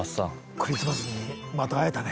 クリスマスにまた会えたね。